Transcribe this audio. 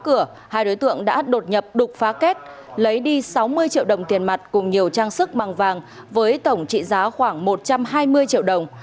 đóng cửa hai đối tượng đã đột nhập đục phá kết lấy đi sáu mươi triệu đồng tiền mặt cùng nhiều trang sức bằng vàng với tổng trị giá khoảng một trăm hai mươi triệu đồng